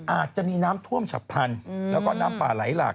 อาจจะมีน้ำท่วมฉับพันธุ์แล้วก็น้ำป่าไหลหลาก